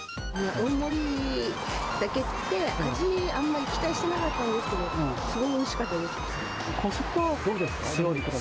大盛りだけで、味、あんまり期待してなかったんですけど、すごいおいしかったです。